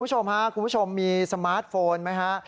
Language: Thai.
คุณผู้ชมฮะคุณผู้ชมมีสมาร์ทโฟนไหมฮะ